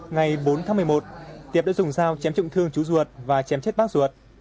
ngày bốn tháng một mươi một tiệp đã dùng dao chém trọng thương chú ruột và chém chết bác ruột